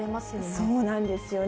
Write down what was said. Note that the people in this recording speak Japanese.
そうなんですよね。